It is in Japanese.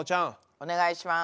お願いします。